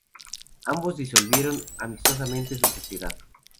Ambos disolvieron amistosamente su "sociedad".